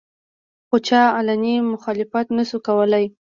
خو چا علني مخالفت نشو کولې